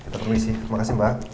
terima kasih mbak